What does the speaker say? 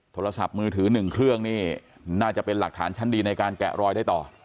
โทรศัพท์มือถือ๑เครื่องนี่น่าจะเป็นหลักฐานชั้นดีในการแกะรอยได้ต่อ